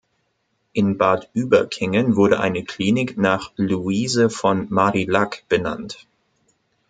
In Bad Überkingen wurde eine Klinik nach Louise von Marillac benannt.